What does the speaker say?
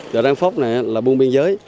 giờ đang phóc này là buôn biên giới